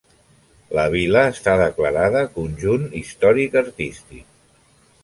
La vila està declarada Conjunt Històric-Artístic.